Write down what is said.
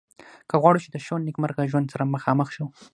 که غواړو چې د ښه او نیکمرغه ژوند سره مخامخ شو.